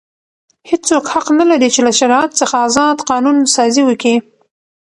هیڅوک حق نه لري، چي له شریعت څخه ازاد قانون سازي وکي.